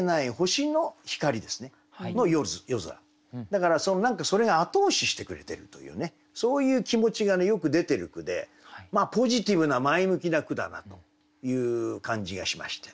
だから何かそれが後押ししてくれてるというねそういう気持ちがよく出てる句でポジティブな前向きな句だなという感じがしました。